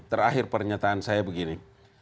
terakhir pernyataan saya begini